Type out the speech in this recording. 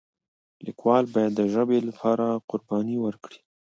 لیکوال باید د ژبې لپاره قرباني ورکړي.